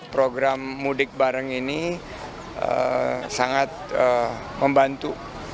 program mudik bareng ini sangat membantu